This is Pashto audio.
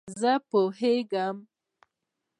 زه پوهېږم !